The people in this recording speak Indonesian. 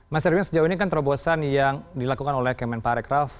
mas erwin sejauh ini kan terobosan yang dilakukan oleh kemen parekraf